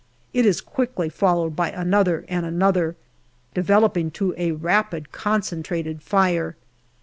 It is quickly followed by another and another, developing to a rapid concentrated fire.